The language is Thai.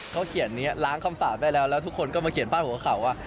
เขาเขียนนี้ล้างคำสาปได้แล้วแล้วทุกคนก็มาเขียนพาดหัวข่าวว่า